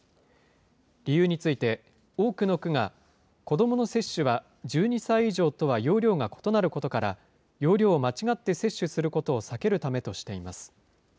理由について、多くの区が、子どもの接種は１２歳以上とは用量が異なることから、容量を間違って接種することを避けるためとしています。